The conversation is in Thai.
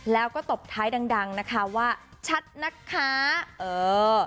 แล้วก็ตบท้ายดังดังนะคะว่าชัดนะคะเออ